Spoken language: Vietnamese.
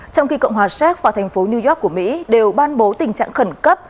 trong khi cộng hòa séc và thành phố new york của mỹ đều ban bố tình trạng khẩn cấp